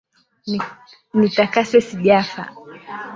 Nitakase sijafa.